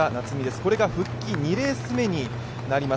これが復帰２レース目になります。